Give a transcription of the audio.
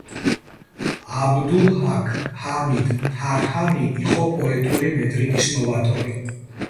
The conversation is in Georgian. აბდულჰაქ ჰამიდ თარჰანი იყო პოეტური მეტრიკის ნოვატორი.